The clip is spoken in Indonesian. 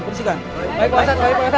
baik pak hasan